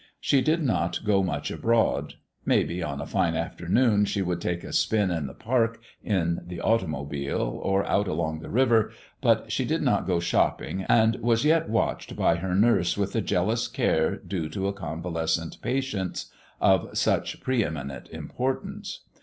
She did not go much abroad. Maybe on a fine afternoon she would take a spin in the park in the automobile or out along the river, but she did not go shopping, and was yet watched by her nurse with the jealous care due to a convalescent patient of such pre eminent importance.